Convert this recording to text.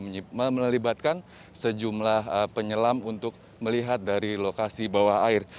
ini melibatkan sejumlah penyelam untuk melihat dari lokasi bawah air